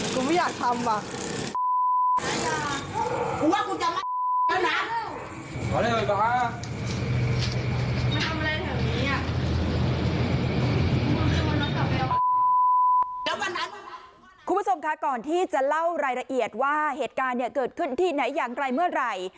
คุณผู้ชมคะก่อนที่จะเล่ารายละเอียดว่าเหตุการณ์เนี่ยเกิดขึ้นที่ไหนอย่างไรเมื่อไหร่